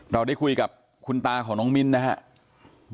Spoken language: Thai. เราได้คุยกับคุณตาของน้องมิ้นนะครับ